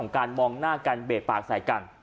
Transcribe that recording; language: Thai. การมองหน้ากันเบรกปากใส่กัน